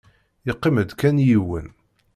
Yeqqim-d kan yiwen.